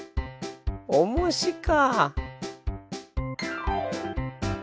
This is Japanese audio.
おもしか。